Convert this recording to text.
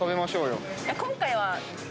今回は。